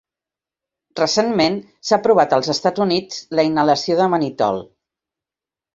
Recentment s'ha aprovat als Estats Units la inhalació de manitol.